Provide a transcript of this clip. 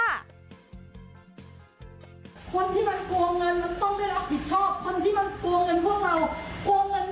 คนที่มันกลัวเงินมันต้องได้รับผิดชอบ